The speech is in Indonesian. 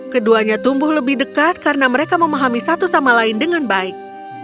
keduanya tumbuh lebih dekat karena mereka memahami satu sama lain dengan baik